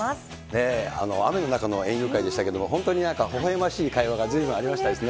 雨の中の園遊会でしたけれども、本当に、なんかほほえましい会話がずいぶんありましたですね。